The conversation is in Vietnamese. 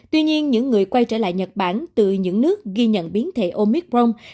tuy nhiên những người quay trở lại nhật bản từ những nước ghi nhận biến thể omicron